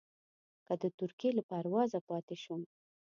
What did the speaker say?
که د ترکیې له پروازه پاتې شوم.